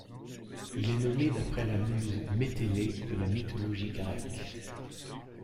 Il est nommé d'après la muse Mélété de la mythologie grecque.